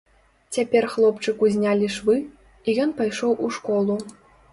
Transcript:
Цяпер хлопчыку знялі швы, і ён пайшоў у школу.